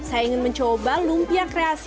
saya ingin mencoba lumpia kreasi